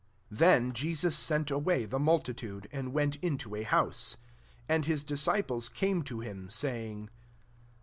36 Then [Jeaua] sent away the multitude, and went into a house : and his disciples came to him, saying